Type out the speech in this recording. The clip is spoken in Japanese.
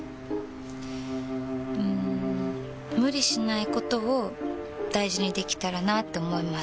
うん無理しないことを大事にできたらなって思います。